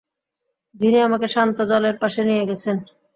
যিনি আমাকে শান্ত জলের পাশে নিয়ে গেছেন!